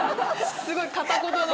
すごい片言の。